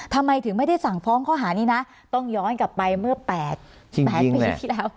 ทำไมถึงไม่ได้สั่งฟ้องข้อหานี้นะต้องย้อนกลับไปเมื่อ๘ปีที่แล้ว